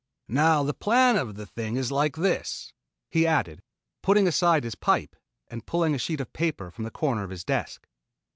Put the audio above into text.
"Now the plan of the thing is like this," he added, putting aside his pipe and pulling a sheet of paper from the corner of his desk.